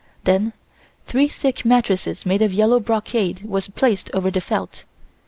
Then three thick mattresses made of yellow brocade were placed over the felt.